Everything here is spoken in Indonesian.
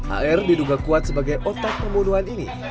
ar diduga kuat sebagai otak pembunuhan ini